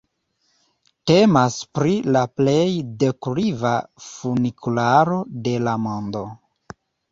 Temas pri la plej dekliva funikularo de la mondo.